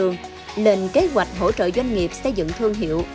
nền kế hoạch hỗ trợ doanh nghiệp xây dựng thương hiệu